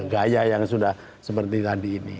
gaya yang sudah seperti tadi ini